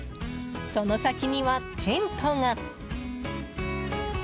その先には、テントが。